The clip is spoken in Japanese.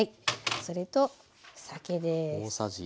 それと酒です。